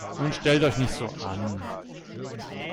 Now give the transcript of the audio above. Nun stellt euch nicht so an!